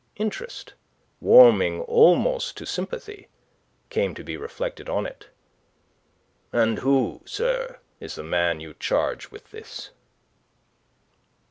Interest, warming almost to sympathy, came to be reflected on it. "And who, sir, is the man you charge with this?"